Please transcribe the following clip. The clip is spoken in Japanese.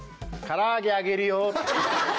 「からあげあげるよ」。